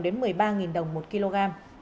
đến một mươi ba đồng một kg